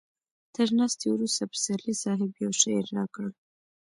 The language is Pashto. تر ناستې وروسته پسرلي صاحب يو شعر راکړ.